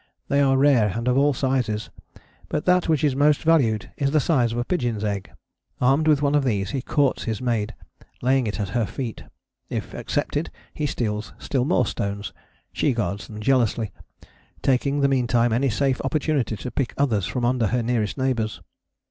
They are rare and of all sizes, but that which is most valued is the size of a pigeon's egg. Armed with one of these he courts his maid, laying it at her feet. If accepted he steals still more stones: she guards them jealously, taking in the meantime any safe opportunity to pick others from under her nearest neighbours.